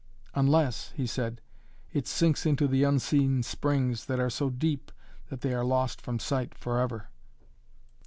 "Unless," he said, "it sinks into the unseen springs that are so deep that they are lost from sight forever."